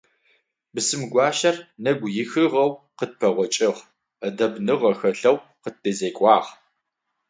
Бысымгуащэр нэгуихыгъэу къытпэгъокӏыгъ, ӏэдэбныгъэ хэлъэу къыддэзекӏуагъ.